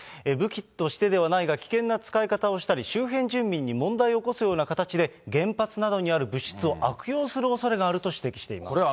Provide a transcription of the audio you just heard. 武器としてではないが、危険な使い方をしたり、周辺住民に問題を起こすような形で、原発などにある物質を悪用するおそれがあると指摘しています。